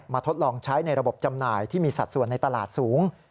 ทดลองใช้ในระบบจำหน่ายที่มีสัดส่วนในตลาดสูง